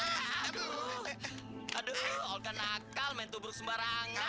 aduh aduh olka nakal main tubruk sembarangan